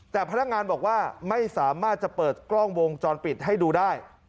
แต่พนักงานบอกว่าไม่สามารถจะเปิดกล้องวงจรปิดให้ดูได้